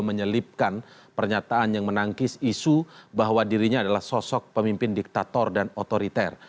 menyelipkan pernyataan yang menangkis isu bahwa dirinya adalah sosok pemimpin diktator dan otoriter